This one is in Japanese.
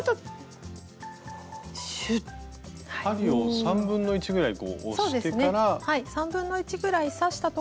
針を1/3ぐらいこう押してから。